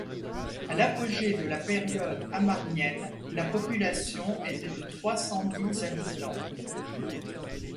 À l'apogée de la période amarnienne, la population était de trois-cent-dix habitants.